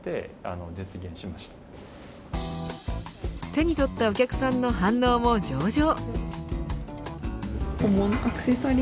手に取ったお客さんの反応も上々。